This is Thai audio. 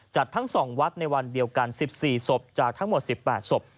ทั้ง๒วัดในวันเดียวกัน๑๔ศพจากทั้งหมด๑๘ศพ